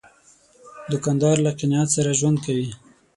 دوکاندار له قناعت سره ژوند کوي.